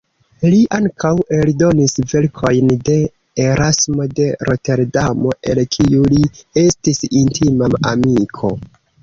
Li ankaŭ eldonis verkojn de Erasmo de Roterdamo, el kiu li estis intima amiko.